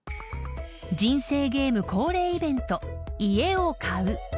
［人生ゲーム恒例イベント家を買う］